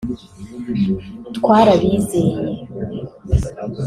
Twarabizeye